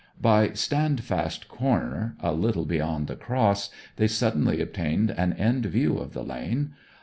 By Standfast Corner, a little beyond the Cross, they suddenly obtained an end view of the lane.